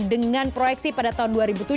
dengan proyeksi pada tahun dua ribu tujuh belas